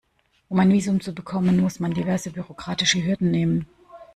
Um ein Visum zu bekommen, muss man diverse bürokratische Hürden nehmen.